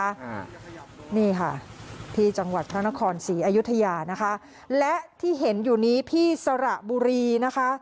อ่านี่ค่ะที่จังหวัดพระนครศรีอยุธยานะคะและที่เห็นอยู่นี้ที่สระบุรีนะคะ